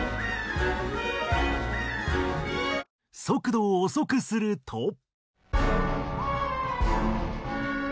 速度を遅くすると。